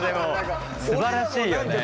すばらしいよね。